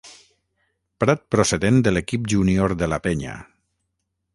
Prat procedent de l'equip júnior de la Penya.